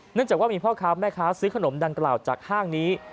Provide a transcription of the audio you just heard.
จากว่ามีพ่อค้าแม่ค้าซื้อขนมดังกล่าวจากห้างนี้